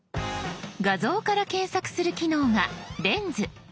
画像から検索する機能が「レンズ」。